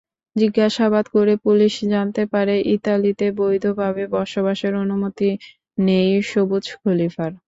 জিজ্ঞাসাবাদ করে পুলিশ জানতে পারে ইতালিতে বৈধ ভাবে বসবাসের অনুমতি নেই সবুজ খলিফার।